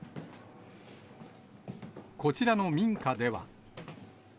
こちらの民家では。